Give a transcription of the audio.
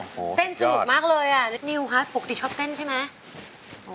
เต้นสุขมากเลยอ่ะนิวคะปกติชอบเต้นใช่ไหม